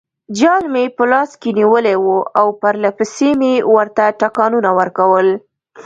جال مې په لاس کې نیولی وو او پرلپسې مې ورته ټکانونه ورکول.